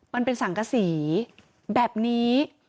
มันเป็นสังกษีแบบนี้